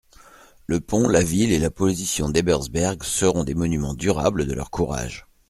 Le pont, la ville, et la position d'Ebersberg, serons des monumens durables de leur courage.